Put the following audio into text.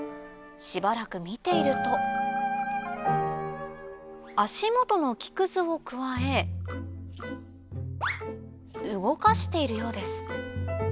しばらく見ていると足元の木くずをくわえ動かしているようです